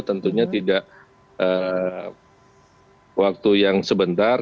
tentunya tidak waktu yang sebentar